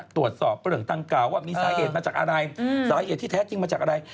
ตรวจสอบเรื่องต่างกล่าวว่ามีสาเหตุมาจากอะไรสาเหตุที่แท้จริงมาจากอะไร